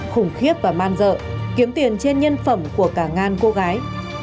khủng khiếp và man dợ kiếm tiền trên nhân phẩm của cả ngàn cô gái